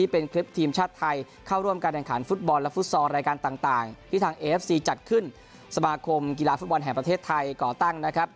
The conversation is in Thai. เป็นคลิปทีมชาติไทยเข้าร่วมการแข่งขันฟุตบอลและฟุตซอลรายการต่างที่ทางเอฟซีจัดขึ้นสมาคมกีฬาฟุตบอลแห่งประเทศไทยก่อตั้งนะครับ